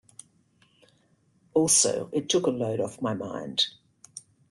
Also it took a load off my mind.